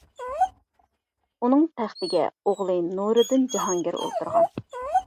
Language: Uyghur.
ئۇنىڭ تەختىگە ئوغلى نۇرىدىن جاھانگىر ئولتۇرغان.